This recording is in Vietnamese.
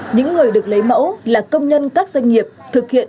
những người được lấy mẫu là công nhân các doanh nghiệp